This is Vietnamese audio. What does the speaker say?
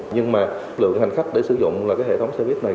nhưng mà lượng hành khách để sử dụng là cái hệ thống xe buýt này